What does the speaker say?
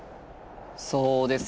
そうです。